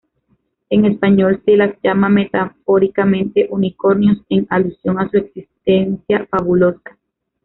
En español se las llama metafóricamente "unicornios", en alusión a su existencia fabulosa.